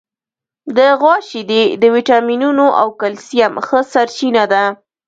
د غوا شیدې د وټامینونو او کلسیم ښه سرچینه ده.